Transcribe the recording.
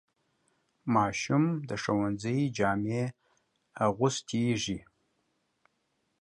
ماشوم د ښوونځي جامې اغوستېږي.